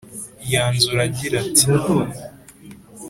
yanzura agira ati: